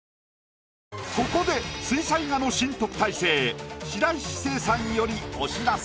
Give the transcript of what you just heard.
ここで水彩画の新特待生白石聖さんよりお知らせ。